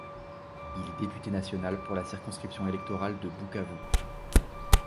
Il est Député National pour la circonscription électorale de Bukavu.